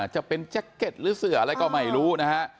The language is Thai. จะเป็นหรือเสื้ออะไรก็ไม่รู้นะฮะ